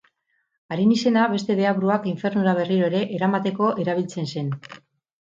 Haren izena beste deabruak infernura berriro ere eramateko erabiltzen zen.